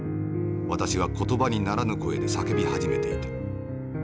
私は言葉にならぬ声で叫び始めていた。